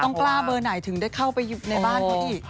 กล้าเบอร์ไหนถึงได้เข้าไปในบ้านเขาอีก